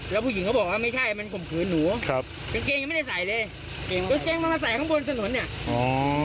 แล้วผู้หญิงเขาบอกว่าไม่ใช่มันข่มขืนหนูครับกางเกงยังไม่ได้ใส่เลยกางเกงมันมาใส่ข้างบนถนนเนี้ยอ๋อ